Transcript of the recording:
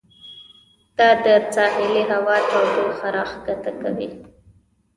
دا د ساحلي هوا تودوخه راښکته کوي.